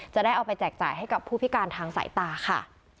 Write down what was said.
จะได้เอาไปแจกจ่ายให้กับผู้พิการทางสายตาค่ะ